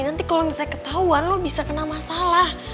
nanti kalau misalnya ketahuan lo bisa kena masalah